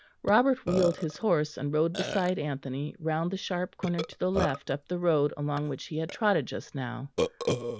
Robert wheeled his horse and rode beside Anthony round the sharp corner to the left up the road along which he had trotted just now.